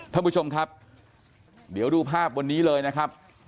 ท่านผู้ชมครับเดี๋ยวดูภาพวันนี้เลยนะครับ